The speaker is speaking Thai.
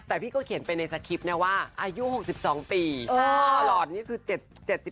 แต่พี่ก็เขียนไปในสคริปต์นะว่าอายุ๖๒ปีตลอดนี่คือ